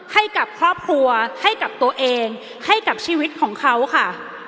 ให้กับครอบครัวให้กับตัวเองให้กับชีวิตของเขาค่ะ